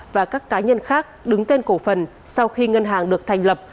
và các cá nhân khác đứng tên cổ phần sau khi ngân hàng được thành lập